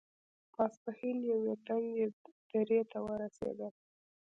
ماسپښين يوې تنګې درې ته ورسېدل.